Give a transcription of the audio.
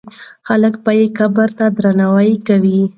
خلک به یې قبر ته درناوی کوي.